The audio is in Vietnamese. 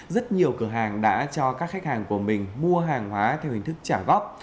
rất nhiều cửa hàng đã cho các khách hàng của mình mua hàng hóa theo hình thức trả góp